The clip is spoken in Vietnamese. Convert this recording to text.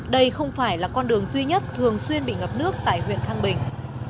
đây không phải là con đường duy nhất thường xuyên bị ngập nước tại huyện thăng bình